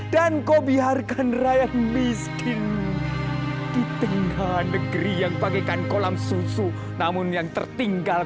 dan kau biarkan rakyat miskin di tengah negeri yang pakaikan kolam susu namun yang tertinggal